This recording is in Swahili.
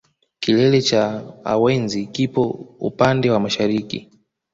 Kilele cha awenzi kipo upande wa mashariki